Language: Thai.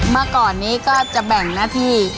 เมื่อก่อนนี้ก็จะแบ่งหน้าที่